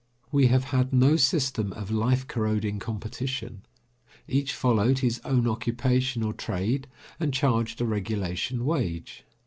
We have had no system of life corroding competition. Each followed his own occupation or trade, and charged a regulation wage.